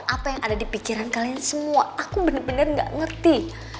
apa yang ada di pikiran kalian semua aku bener bener gak ngerti